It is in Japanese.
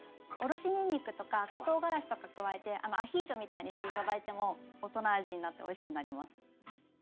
おろしにんにくとか赤とうがらしとか加えてアヒージョみたいにして頂いても大人味になっておいしくなります。